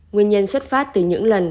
nguyên nhân xuất phát từ những lần